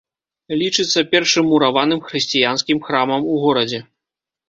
Лічыцца першым мураваным хрысціянскім храмам у горадзе.